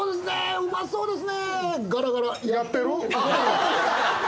うまそうですね。